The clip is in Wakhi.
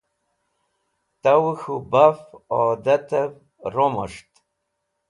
Tawẽ k̃hũ baf adatẽv romosht.